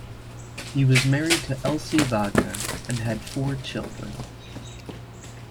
He was married to Elsie Wagner and had four children.